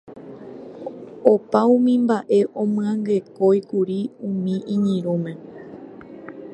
Opa umi mba'e omyangekóikuri umi iñirũme.